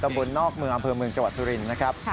บนนอกเมืองอำเภอเมืองจังหวัดสุรินทร์นะครับ